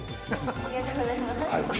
ありがとうございます。